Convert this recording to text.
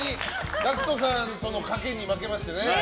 ＧＡＣＫＴさんとの賭けに負けましてね。